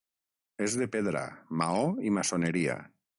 És de pedra, maó i maçoneria.